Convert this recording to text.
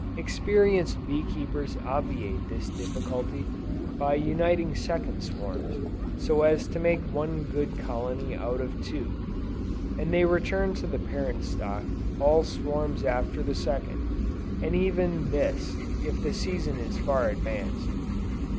Experienced bee keepers obviate this difficulty, by uniting second swarms, so as to make one good colony out of two; and they return to the parent stock all swarms after the second, and even this if the season is far advanced.